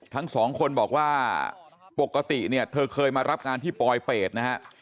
ทั้งสองคนบอกว่าปกติเนี่ยเธอเคยมารับงานที่ปลอยเป็ดนะฮะ